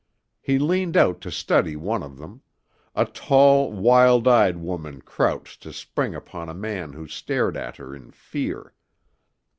He leaned out to study one of them; a tall, wild eyed woman crouched to spring upon a man who stared at her in fear.